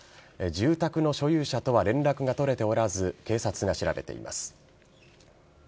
住宅の所有者とは連絡が取れておらず警察が調べています。